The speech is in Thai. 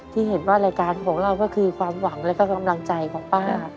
ที่เห็นว่ารายการของเราก็คือความหวังแล้วก็กำลังใจของป้า